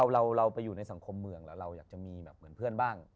เราไปอยู่ในสังคมเราอยากจะมีเหมือนเพื่อนบ้าง